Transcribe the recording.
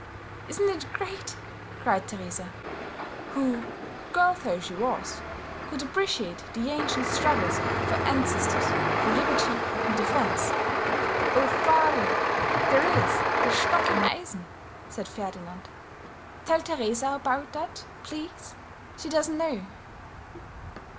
"Isn't it great!" cried Teresa, who, girl though she was, could appreciate the ancient struggles of her ancestors for liberty and defence. "Oh, father, there is Der Stock im Eisen!" said Ferdinand. "Tell Teresa about that, please; she doesn't know."